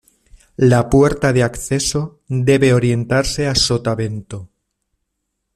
La puerta de acceso debe orientarse a sotavento.